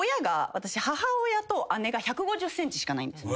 私母親と姉が１５０ｃｍしかないんですよ。